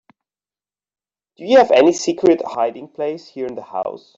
Do you have any secret hiding place here in the house?